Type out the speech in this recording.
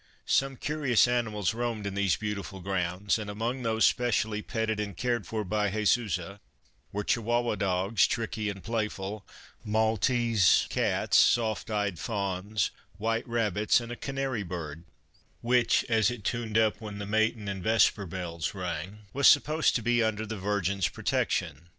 Some curious animals roamed in these beautiful grounds, and among those specially petted and cared for by Jesusa were Chihuahua dogs, tricky and playful ; Maltese cats, soft eyed fawns, white rabbits, and a canary bird which, as it tuned up when the matin and vesper bells rang, was supposed to be under the Virgin's protection.